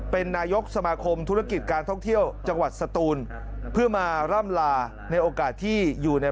เป็นนายกสมาคมธุรกิจการท่องเที่ยวจังหวัดสตูนเพื่อมาร่ำลาในโอกาสที่อยู่ใน